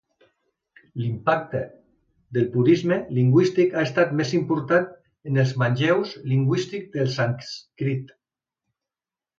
L'impacte del purisme lingüístic ha estat més important en els manlleus lingüístics del sànscrit.